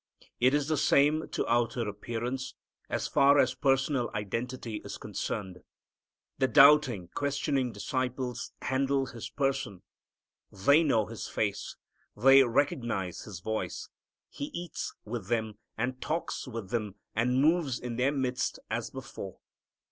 It is the same to outer appearance, so far as personal identity is concerned. The doubting, questioning disciples handle His person, they know His face, they recognize His voice. He eats with them and talks with them and moves in their midst as before.